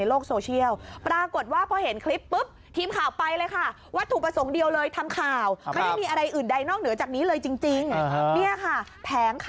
อันนี้จะมีคลิปนึงที่มีบิกินิแดง